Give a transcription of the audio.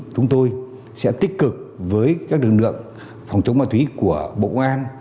chúng tôi sẽ tích cực với các lực lượng phòng chống ma túy của bộ công an